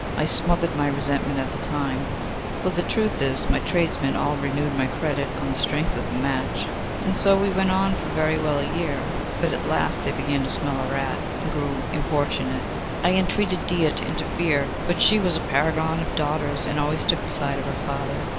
I smothered my resentment at the time; for the truth is, my tradesmen all renewed my credit on the strength of the match, and so we went on very well for a year; but at last they began to smell a rat, and grew importunate. I entreated Dia to interfere; but she was a paragon of daughters, and always took the side of her father.